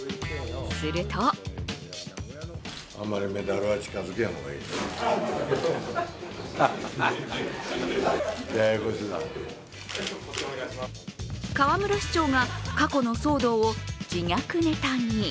すると河村市長が過去の騒動を自虐ネタに。